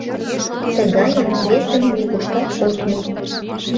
Тыгайым весым нигуштат от му.